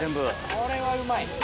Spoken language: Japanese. これはうまい。